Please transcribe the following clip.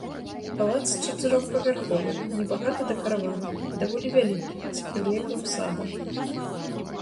Палац чатырохпавярховы, небагата дэкараваны, даволі вялікі, з прылеглым садам.